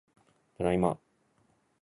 ただいま